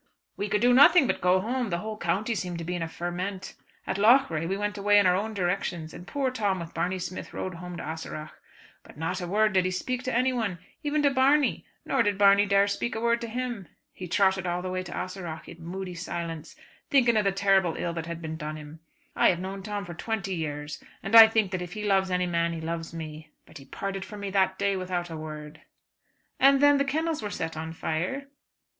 "We could do nothing but go home; the whole county seemed to be in a ferment. At Loughrea we went away in our own directions, and poor Tom with Barney Smith rode home to Ahaseragh. But not a word did he speak to anyone, even to Barney; nor did Barney dare to speak a word to him. He trotted all the way to Ahaseragh in moody silence, thinking of the terrible ill that had been done him. I have known Tom for twenty years, and I think that if he loves any man he loves me. But he parted from me that day without a word." "And then the kennels were set on fire?"